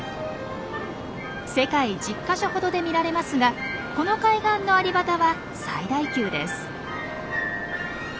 世界１０か所ほどで見られますがこの海岸のアリバダは最大級です。